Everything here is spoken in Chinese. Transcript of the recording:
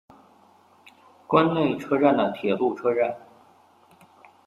关内车站的铁路车站。